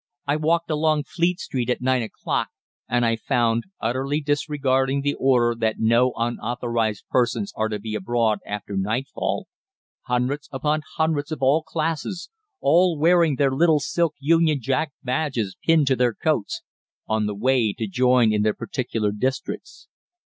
I walked along Fleet Street at nine o'clock, and I found, utterly disregarding the order that no unauthorised persons are to be abroad after nightfall, hundreds upon hundreds of all classes, all wearing their little silk Union Jack badges pinned to their coats, on the way to join in their particular districts.